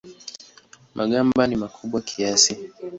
Magamba ni makubwa kiasi.